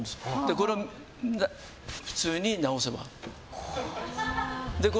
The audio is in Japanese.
これを普通に直せばＯＫ。